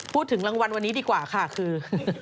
พูดถึงรางวัลวันนี้ดีกว่าค่ะคือ